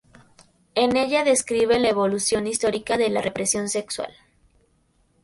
En ellas describe la evolución histórica de la represión sexual.